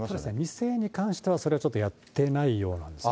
２世に関しては、それはちょっとやってないようなんですね。